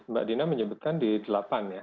mbak dina menyebutkan di delapan ya